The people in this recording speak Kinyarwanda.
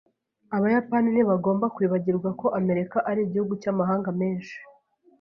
Abayapani ntibagomba kwibagirwa ko Amerika ari igihugu cy’amahanga menshi.